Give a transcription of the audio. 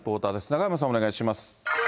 中山さん、お願いします。